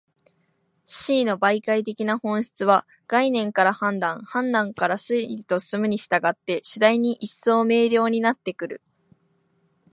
思惟の媒介的な本質は、概念から判断、判断から推理と進むに従って、次第に一層明瞭になってくる。